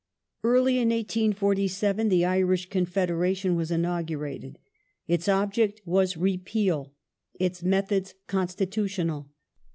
Early in 1847 the Iiish Con federation was inaugurated. Its object was Repeal ; its methods constitutional.